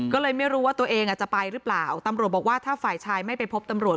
ก็เลยไม่รู้ว่าตัวเองอาจจะไปหรือเปล่าตำรวจบอกว่าถ้าฝ่ายชายไม่ไปพบตำรวจ